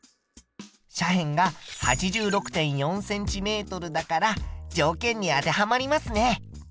斜辺が８６．４ｃｍだから条件に当てはまりますね。